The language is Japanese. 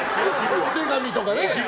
お手紙とかね。